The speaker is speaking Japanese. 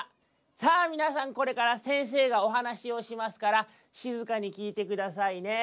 「さあみなさんこれからせんせいがおはなしをしますからしずかにきいてくださいね」。